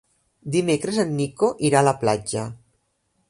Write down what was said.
Dimecres en Nico irà a la platja.